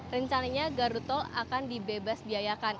rencananya gardu tol akan dibebas biayakan